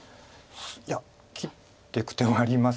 いや切っていく手もあります。